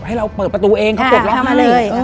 ให้เราเปิดประตูเองเขาเปิดเราให้ค่ะเข้ามาเลยเออ